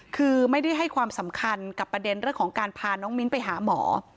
คือไม่ได้ให้ความสำคัญกับประเด็นเรื่องของการพาน้องมิ้นไปหาหมอ